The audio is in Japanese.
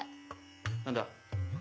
何だ？